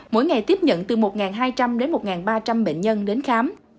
mỗi ngày tiếp nhận từ một hai trăm linh đến một ba trăm linh bệnh nhân đến khám